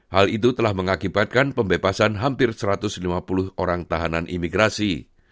hal itu telah mengakibatkan pembebasan hampir satu ratus lima puluh orang tahanan imigrasi